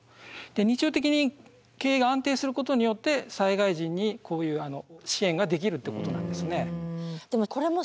日常的に経営が安定することによって災害時にこういう支援ができるってことなんですね。